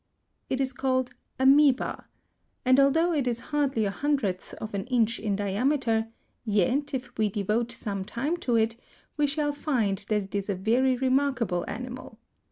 It is called Amœba (Fig. 1), and although it is hardly a hundredth of an inch in diameter, yet if we devote some time to it we shall find that it is a very remarkable animal.